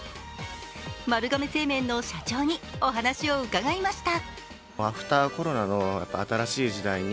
丸亀製麺の社長にお話を伺いました。